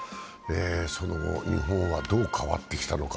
その後、日本はどう変わってきたのか。